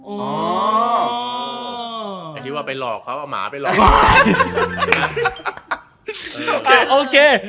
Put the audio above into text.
อย่างที่ว่าไปหลอกครับหมาไปหลอก